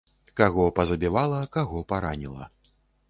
Каго пазабівала, каго параніла.